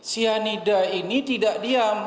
cyanida ini tidak diam